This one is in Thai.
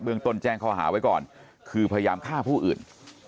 ต้นแจ้งข้อหาไว้ก่อนคือพยายามฆ่าผู้อื่น